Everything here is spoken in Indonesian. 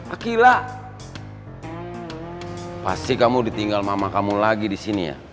akila pasti kamu ditinggal mama kamu lagi di sini ya